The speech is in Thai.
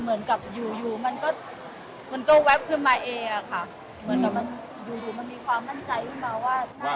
เหมือนกับอยู่มันก็แวบขึ้นมาเองอะค่ะเหมือนกับอยู่มันมีความมั่นใจขึ้นมาว่า